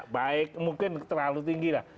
baik mungkin terlalu tinggi lah